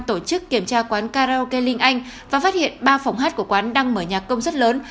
tổ chức kiểm tra quán karaoke linh anh và phát hiện ba phòng hát của quán đang mở nhạc công suất lớn